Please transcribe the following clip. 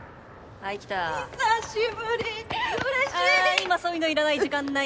今そういうのいらない時間ない